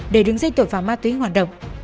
để đứng dây tội phạm ma túy hoạt động